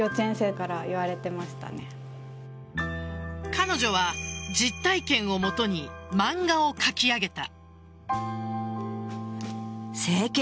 彼女は、実体験をもとに漫画を描き上げた。